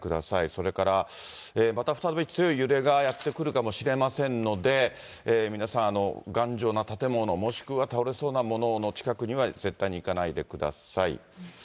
それからまた再び強い揺れがやってくるかもしれませんので、皆さん、頑丈な建物もしくは倒れそうなものの近くには絶対に行かないでください。